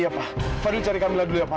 fadil cari kamila dulu ya pak